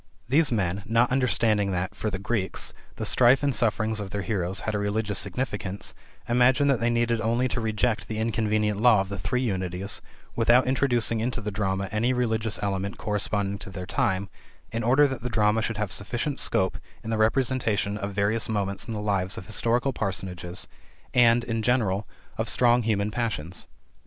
These men, not understanding that, for the Greeks, the strife and sufferings of their heroes had a religious significance, imagined that they needed only to reject the inconvenient law of the three Unities, without introducing into the drama any religious element corresponding to their time, in order that the drama should have sufficient scope in the representation of various moments in the lives of historical personages and, in general, of strong human passions.